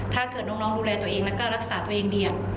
ถ้าเกิดน้องดูแลตัวเองแล้วก็รักษาตัวเองดี